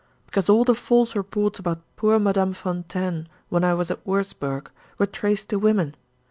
"Because all the false reports about poor Madame Fontaine, when I was at Wurzburg, were traced to women.